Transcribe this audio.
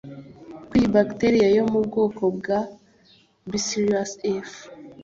ko iyi bacterie yo mu bwoko bwa Bacillus F